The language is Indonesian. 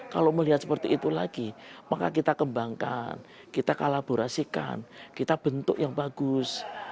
kalau melihat seperti itu lagi maka kita kembangkan kita kolaborasikan kita bentuk yang bagus